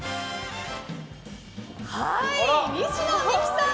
西野未姫さん